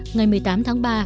ngày một mươi tám tháng ba